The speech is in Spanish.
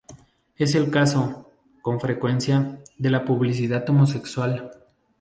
Es el caso, con frecuencia, de la publicidad homosexual.